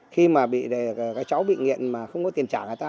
khi mà cái chó bị nghiện mà không có tiền trả người ta